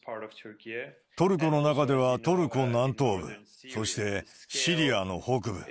トルコの中ではトルコ南東部、そして、シリアの北部。